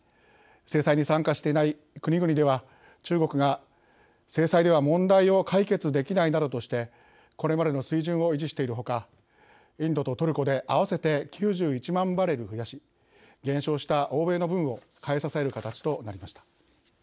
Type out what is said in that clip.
制裁に参加していない国々では中国が制裁では問題を解決できないなどとしてこれまでの水準を維持しているほかインドとトルコで合わせて９１万バレル増やし減少した欧米の分の買い支える形となりました。